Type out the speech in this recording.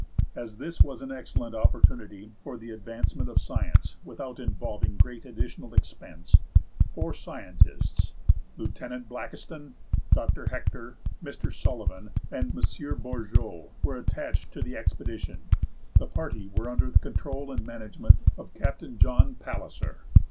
As this was an excellent opportunity for the advancement of science without involving great additional expense, four scientists, Lieut. Blackiston, Dr. Hector, Mr. Sullivan, and M. Bourgeau, were attached to the expedition. The party were under the control and management of Captain John Palliser.